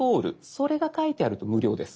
それが書いてあると無料です。